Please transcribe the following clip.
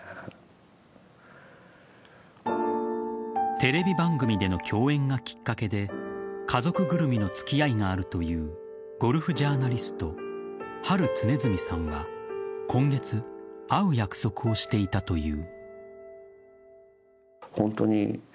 テレビ番組での共演がきっかけで家族ぐるみの付き合いがあるというゴルフジャーナリストハル常住さんは今月、会う約束をしていたという。